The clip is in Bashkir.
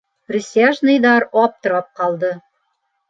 Присяжныйҙар аптырап ҡалды.